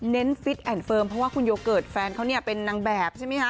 ฟิตแอนดเฟิร์มเพราะว่าคุณโยเกิร์ตแฟนเขาเนี่ยเป็นนางแบบใช่ไหมคะ